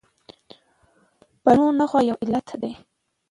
پښنونخوا يو ايالت دى